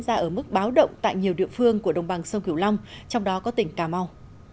ra một bước báo động tại nhiều địa phương của đồng bằng sông cửu long trong đó có tỉnh cà mau